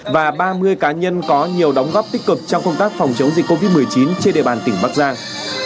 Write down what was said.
và ba mươi cá nhân có nhiều đóng góp tích cực trong công tác phòng chống dịch covid một mươi chín trên địa bàn tỉnh bắc giang